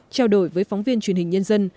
trao đổi với phóng viên truyền hình nhân dân